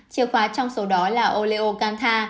chiều khóa trong số đó là oleocantha